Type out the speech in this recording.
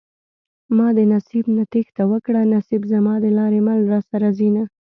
ما د نصيب نه تېښته وکړه نصيب زما د لارې مل راسره ځينه